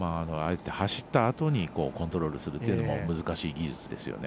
走ったあとにコントロールするというのも難しい技術ですよね。